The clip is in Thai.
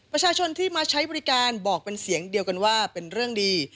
ประชาชนที่มาใช้บริการบอกเป็นเสียงเดียวกันว่าเป็นเรื่องดี